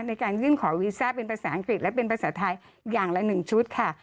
ในการยื่นขอวีซ่าเป็นภาษาอังกฤษและเป็นภาษาไทยอย่างละ๑ชุดค่ะ